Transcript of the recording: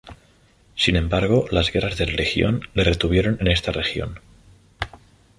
Sin embargo, las guerras de religión le retuvieron en esta región.